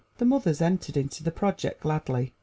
The mothers entered into the project gladly.